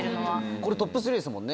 これトップ３ですもんね。